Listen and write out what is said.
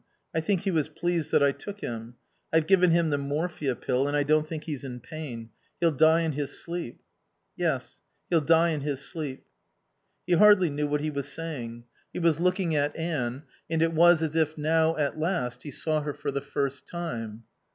I think he was pleased that I took him ... I've given him the morphia pill and I don't think he's in pain. He'll die in his sleep." "Yes. He'll die in his sleep." He hardly knew what he was saying. He was looking at Anne, and it was as if now, at last, he saw her for the first time.